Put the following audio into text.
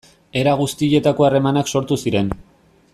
Era guztietako harremanak sortu ziren.